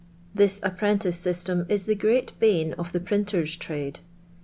This apprentice system is the great bane of the printer's trade.